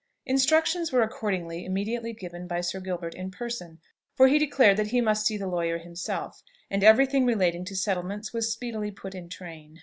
Instructions were accordingly immediately given by Sir Gilbert in person, for he declared that he must see the lawyer himself; and every thing relating to settlements was speedily put in train.